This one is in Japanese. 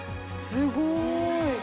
「すごーい！」